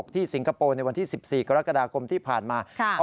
สิงคโปร์ในวันที่๑๔กรกฎาคมที่ผ่านมา